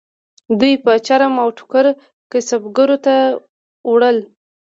دوی به چرم او ټوکر کسبګرو ته ووړل.